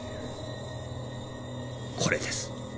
これです。